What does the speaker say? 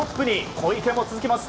小池も続きます。